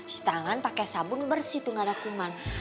cuci tangan pakai sabun bersih itu gak ada kuman